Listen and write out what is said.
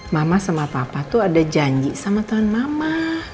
mama sama papa tuh ada janji sama tuan mama